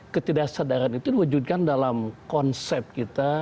ketidaksadaran itu diwujudkan dalam konsep kita